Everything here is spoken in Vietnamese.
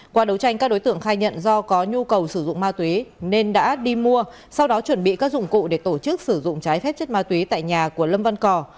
qua đấu tranh các đối tượng khai nhận do có nhu cầu sử dụng ma túy nên đã đi mua sau đó chuẩn bị các dụng cụ để tổ chức sử dụng trái phép chất ma túy tại nhà của lâm văn cò